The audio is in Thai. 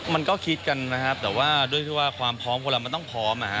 มันก็คิดกันนะครับแต่ว่าด้วยที่ว่าความพร้อมคนเรามันต้องพร้อม